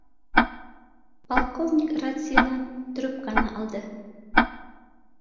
— Полковник рациянан трубканы алды